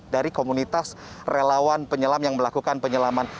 dari komunitas relawan penyelam yang melakukan penyelaman